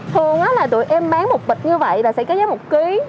thường là tụi em bán một bịch như vậy là sẽ có giá một ký